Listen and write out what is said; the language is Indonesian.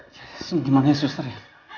jess ini gimana ya suster ya